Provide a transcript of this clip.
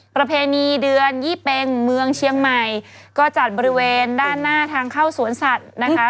ประเพณีเดือนยี่เป็งเมืองเชียงใหม่ก็จัดบริเวณด้านหน้าทางเข้าสวนสัตว์นะคะ